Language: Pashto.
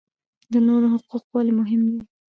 د نورو حقوق ولې مهم دي؟